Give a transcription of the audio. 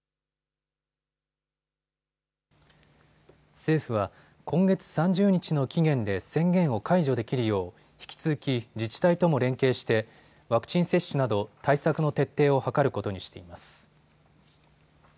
政府は今月３０日の期限で宣言を解除できるよう引き続き自治体とも連携してワクチン接種など対策の徹底を図ることにしています。